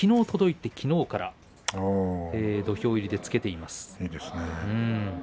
そしてきのうから土俵入りでつけています。